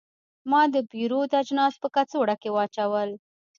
ما د پیرود اجناس په کڅوړه کې واچول.